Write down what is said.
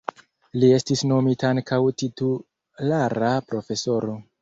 Li estis nomita ankaŭ titulara profesoro.